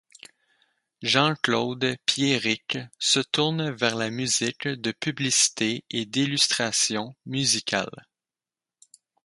Jean-Claude Pierric se tourne vers la musique de publicité et d'illustration musicale.